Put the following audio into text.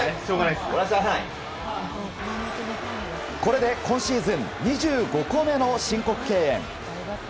これで今シーズン２５個目の申告敬遠。